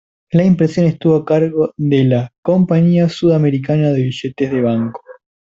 La impresión estuvo a cargo de la "Compañía Sudamericana de Billetes de Banco".